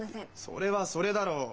それはそれだろう。